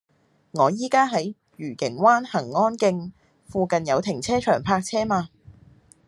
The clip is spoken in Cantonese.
我依家喺愉景灣蘅安徑，附近有停車場泊車嗎